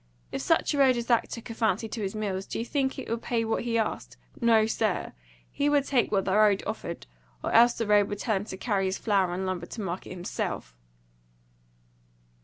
If such a road as that took a fancy to his mills, do you think it would pay what he asked? No, sir! He would take what the road offered, or else the road would tell him to carry his flour and lumber to market himself."